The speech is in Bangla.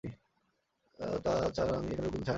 তাহা ছাড়া, এখানে রঘুপতির ছায়া নাই।